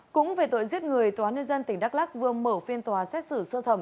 cũng về tội giết người tòa án nhân dân tỉnh đắk lắc vừa mở phiên tòa xét xử sơ thẩm